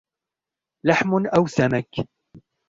لحم أو سمك؟